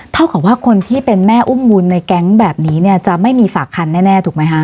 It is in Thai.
เท่ากับว่าคนที่เป็นแม่อุ้มบุญในแก๊งแบบนี้เนี่ยจะไม่มีฝากคันแน่ถูกไหมคะ